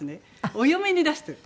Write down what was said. お嫁に出してる。